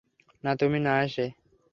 না তুমি, না সে!